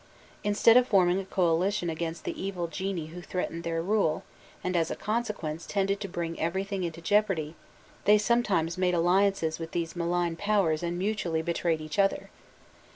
Instead of forming a coalition against the evil genii who threatened their rule, and as a consequence tended to bring everything into jeopardy, they sometimes made alliances with these malign powers and mutually betrayed each other.